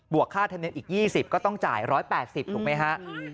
ค่าธรรมเนียมอีก๒๐ก็ต้องจ่าย๑๘๐ถูกไหมฮะ